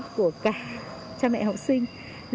của cả cha mẹ học sinh